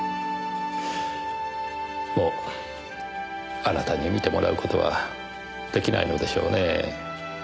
もうあなたに見てもらう事は出来ないのでしょうねえ。